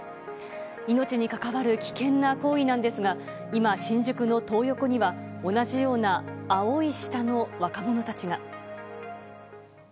命にかかわる危険な行為なんですが今、新宿のトー横には同じような青い舌の若者たちが。